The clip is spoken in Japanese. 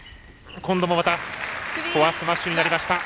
今度もまたフォアスマッシュになりました。